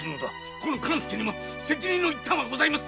この勘助にも責任の一端はございます。